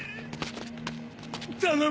頼む。